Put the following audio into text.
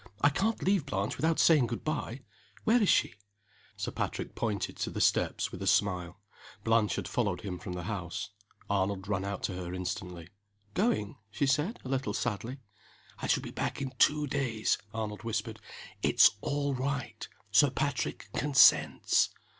"I can't leave Blanche without saying good by. Where is she?" Sir Patrick pointed to the steps, with a smile. Blanche had followed him from the house. Arnold ran out to her instantly. "Going?" she said, a little sadly. "I shall be back in two days," Arnold whispered. "It's all right! Sir Patrick consents."